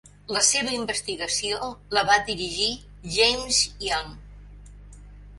La seva investigació la va dirigir James Young.